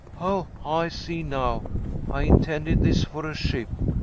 "Oh, I see now. I intended this for a ship.